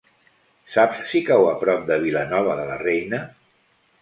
Saps si cau a prop de Vilanova de la Reina?